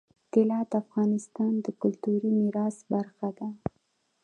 طلا د افغانستان د کلتوري میراث برخه ده.